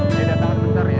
oke datangin bentar ya